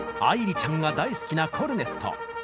愛理ちゃんが大好きなコルネット。